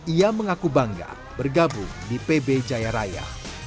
ia mengaku bangga bergabung di pb jaya raya